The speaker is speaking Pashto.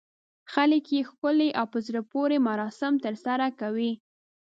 خلک یې ښکلي او په زړه پورې مراسم ترسره کوي.